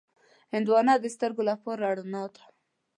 هندوانه د سترګو لپاره رڼا ده.